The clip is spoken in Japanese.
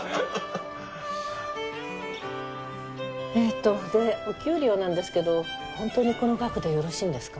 えーっとでお給料なんですけど本当にこの額でよろしいんですか？